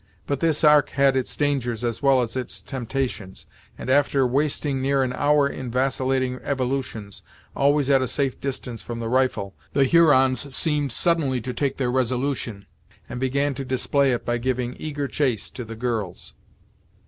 But this Ark had its dangers as well as its temptations, and after wasting near an hour in vacillating evolutions, always at a safe distance from the rifle, the Hurons seemed suddenly to take their resolution, and began to display it by giving eager chase to the girls.